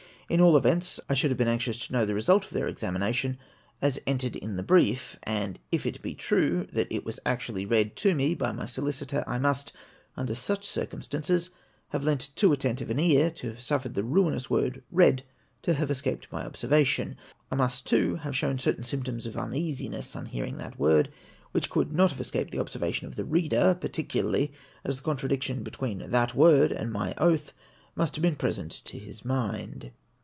At all events, I should have been anxious to know the result of their examination as entered in the brief; and if it be true that it was actually read to me by my solicitor, I must, under such circumstances, have lent too attentive an ear to have suffered the ruinous word red to have escaped my observation. I must, too, have shown certain symptoms of uneasiness on hearing that word, which could not have escaped the observation of the reader, particularly as the contradiction between that word and my oath must have been present to his mind.